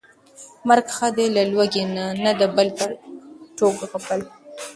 مرګ ښه دى له لوږې نه، نه د بل په ټوک غپل